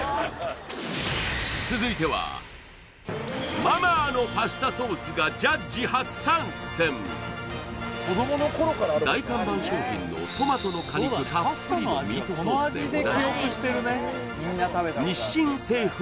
続いてはマ・マーのパスタソースがジャッジ初参戦大看板商品のトマトの果肉たっぷりのミートソースでおなじみ日清製粉